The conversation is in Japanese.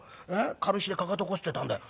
軽石でかかとこすってたんだよ。